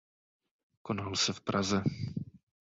Konal se v Praze.